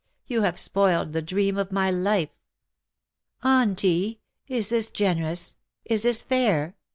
You have spoiled the dream of my life." " Auntie, is this gcnerouS; is this fair